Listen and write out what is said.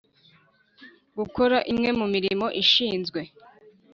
Gukora imwe mu mirimo ashinzwe